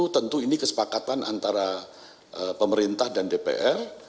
tentu ini kesepakatan antara pemerintah dan dpr